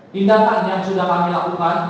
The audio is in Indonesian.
tindakan yang sudah kami lakukan